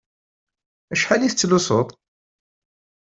Acḥal i tettlusuḍ?